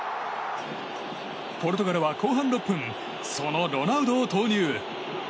ポルトガルは後半６分そのロナウドを投入。